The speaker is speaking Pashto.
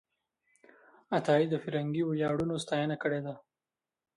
عطایي د فرهنګي ویاړونو ستاینه کړې ده.